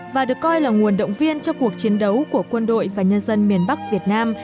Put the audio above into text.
và được coi là nguồn động viên cho cuộc chiến đấu của quân đội và nhân dân miền bắc việt nam